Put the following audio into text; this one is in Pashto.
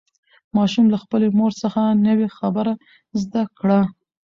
ماشوم له خپلې مور څخه نوې خبره زده کړه